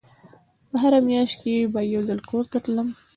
په هره مياشت کښې به يو ځل کور ته تلم.